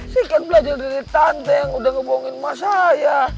saya kan belajar dari tante yang udah ngebohongin emak saya